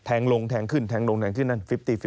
แทงลงแทงขึ้นแทงลงแทงขึ้นนั่น๕๐๕๐